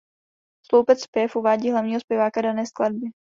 Sloupec „Zpěv“ uvádí hlavního zpěváka dané skladby.